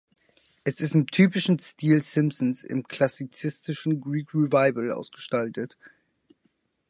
Es ist im typischen Stil Simpsons im klassizistischen Greek Revival ausgestaltet.